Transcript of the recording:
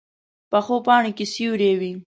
پخو پاڼو کې سیوری وي